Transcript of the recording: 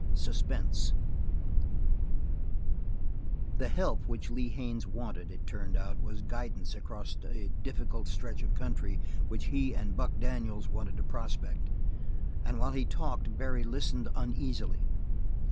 Suspense The help which Lee Haines wanted, it turned out, was guidance across a difficult stretch of country which he and Buck Daniels wanted to prospect, and while he talked Barry listened uneasily.